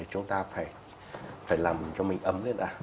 chúng ta phải làm cho mình ấm